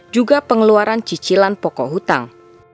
juga pengeluaran cicilan pokok hutang